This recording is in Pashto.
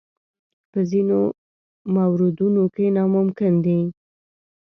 په ځینو موردونو کې ناممکن دي.